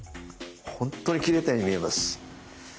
本当に切れたように見えます。